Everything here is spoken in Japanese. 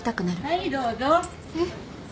はいどうぞ。えっ？